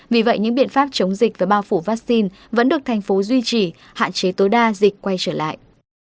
vì vậy những biện pháp chống dịch và bao phủ vaccine vẫn được thành phố duy trì hạn chế tối đa dịch quay trở lại